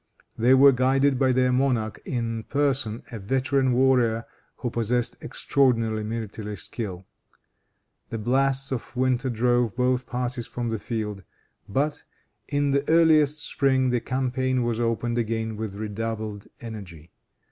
They were guided by their monarch in person, a veteran warrior, who possessed extraordinary military skill. The blasts of winter drove both parties from the field. But, in the earliest spring, the campaign was opened again with redoubled energy.